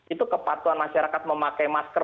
itu kepatuhan masyarakat memakai masker